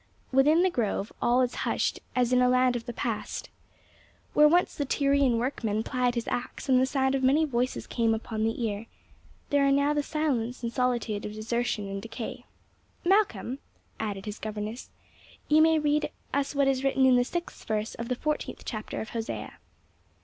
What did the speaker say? Within the grove all is hushed as in a land of the past. Where once the Tyrian workman plied his axe and the sound of many voices came upon the ear, there are now the silence and solitude of desertion and decay.' Malcolm," added his governess, "you may read us what is written in the sixth verse of the fourteenth chapter of Hosea."